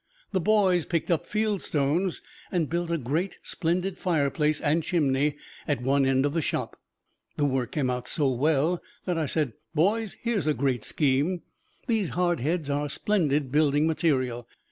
The boys picked up field stones and built a great, splendid fireplace and chimney at one end of the Shop. The work came out so well that I said, "Boys, here is a great scheme these hardheads are splendid building material."